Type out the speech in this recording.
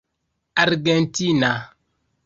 argentina